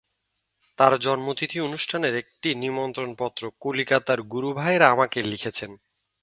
তাঁরই জন্মতিথি অনুষ্ঠানের একটি নিমন্ত্রণপত্র কলিকাতার গুরুভায়েরা আমাকে লিখেছেন।